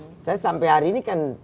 saya sampai hari ini kan